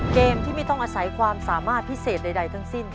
เกมที่ไม่ต้องอาศัยความสามารถพิเศษใดทั้งสิ้น